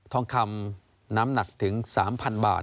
ทองคำน้ำหนักถึง๓๐๐๐บาท